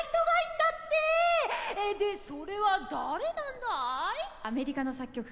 でそれは誰なんだい？